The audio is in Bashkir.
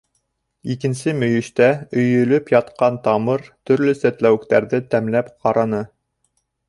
Икенсе мөйөштә өйөлөп ятҡан тамыр, төрлө сәтләүектәрҙе тәмләп ҡараны.